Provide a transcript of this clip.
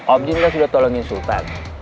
om jin kan sudah tolongin sultan